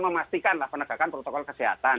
memastikan lah penegakan protokol kesehatan